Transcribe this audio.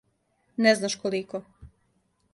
Не знаш колико.